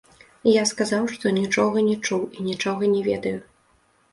Я сказаў, што нічога не чуў і нічога не ведаю.